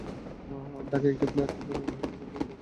ঢাকায় একটি ফ্ল্যাট কিনতে নূর হোসেনের কাছ থেকে টাকাও নিয়েছেন আরিফ।